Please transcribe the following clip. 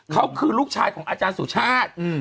เขาคือลูกชายของอาจารย์สุชาติ